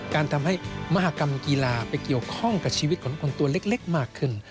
การทำให้มหากรรมกีฬาไปเกี่ยวข้องกับชีวิตของคนตัวเล็กมากขึ้น